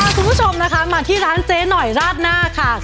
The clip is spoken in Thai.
คุณผู้ชมนะคะมาที่ร้านเจ๊หน่อยราดหน้าค่ะ